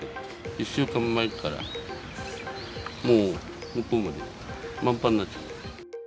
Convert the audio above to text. １週間前から、もう向こうまでまんぱんになっちゃう。